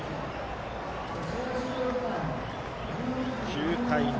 ９対２。